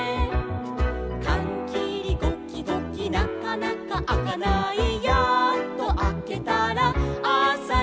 「かんきりゴキゴキなかなかあかない」「やっとあけたらあさになる」